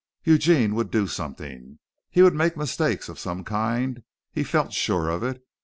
Eugene would do something. He would make mistakes of some kind. He felt sure of it.